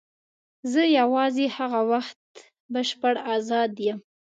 زه یوازې هغه وخت بشپړ آزاد یم.